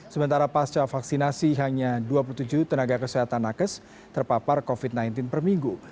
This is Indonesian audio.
sementara pasca vaksinasi hanya dua puluh tujuh tenaga kesehatan nakes terpapar covid sembilan belas per minggu